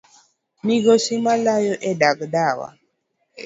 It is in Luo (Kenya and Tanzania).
Migosi malayo e dag ndawa